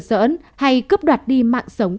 sỡn hay cướp đoạt đi mạng sống